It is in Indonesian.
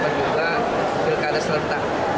pengguna pilkada serentak